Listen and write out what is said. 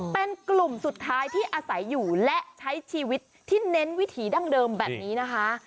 เป็นกลุ่มสุดท้ายที่อาศัยอยู่และใช้ชีวิตที่เน้นวิถีดั้งเดิมแบบนี้นะคะ